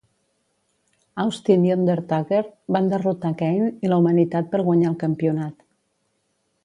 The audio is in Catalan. Austin i Undertaker van derrotar Kane i la humanitat per guanyar el campionat.